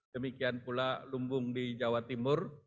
demikian pula lumbung di jawa timur